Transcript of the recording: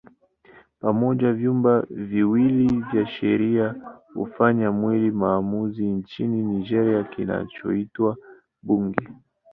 Pamoja vyumba viwili vya sheria hufanya mwili maamuzi nchini Nigeria kinachoitwa Bunge.